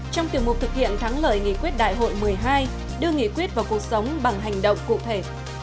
trong tiểu mục thực hiện thắng lợi nghị quyết đại hội một mươi hai đưa nghị quyết vào cuộc sống bằng hành động cụ thể